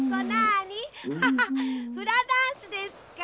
ハハハフラダンスですか。